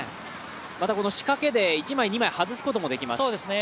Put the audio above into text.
この仕掛けで１枚２枚外すこともできます。